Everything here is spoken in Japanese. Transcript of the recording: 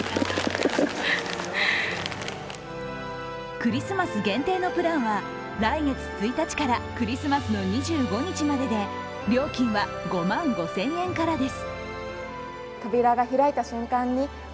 クリスマス限定のプランは来月１日からクリスマスの２５日までで料金は５万５０００円からです。